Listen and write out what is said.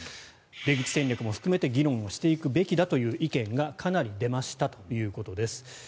出口戦略も含めて議論をしていくべきだという意見がかなり出ましたということです。